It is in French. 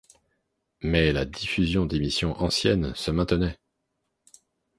Mais la diffusion d'émissions anciennes se maintenait.